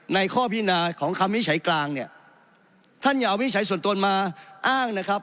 ข้อพินาของคำวิจัยกลางเนี่ยท่านอย่าเอาวิจัยส่วนตัวมาอ้างนะครับ